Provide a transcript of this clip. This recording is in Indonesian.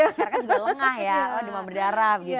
masyarakat juga lengah ya demam berdarah begitu